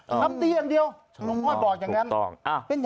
ทำตีอย่างเดียวลุงห้อยบอกอย่างนั้น